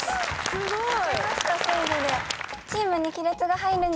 すごーい！